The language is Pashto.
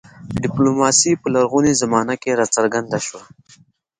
ډیپلوماسي په لرغونې زمانه کې راڅرګنده شوه